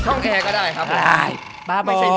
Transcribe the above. ห้องแอร์ก็ได้ครับผม